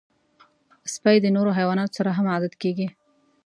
سپي د نورو حیواناتو سره هم عادت کېږي.